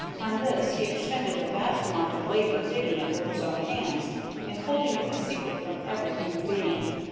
On this he expended a vast amount of labor, digging it with his own hands, and holding it a secret from every human being.